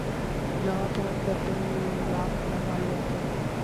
جہاں پر اندر سے لاک لگائے جاتے ہیں